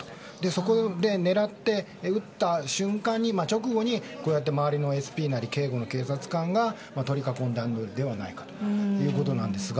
そこで狙って撃った直後にこうやって周りのＳＰなり警護の警察官が取り囲んだのではないかということなんですが。